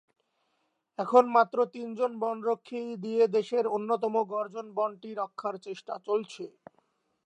এখন মাত্র তিনজন বনরক্ষী দিয়ে দেশের অন্যতম গর্জন বনটি রক্ষার চেষ্টা চলছে।